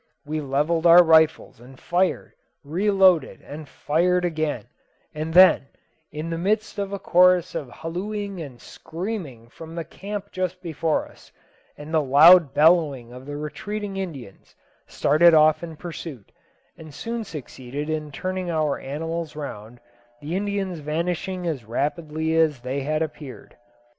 We levelled our rifles and fired reloaded, and fired again; and then, in the midst of a chorus of hallooing and screaming from the camp just before us, and the loud bellowing of the retreating Indians, started off in pursuit, and soon succeeded in turning our animals round, the Indians vanishing as rapidly as they had appeared.